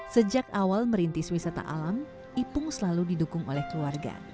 sejak awal merintis wisata alam ipung selalu didukung oleh keluarga